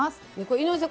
井上さん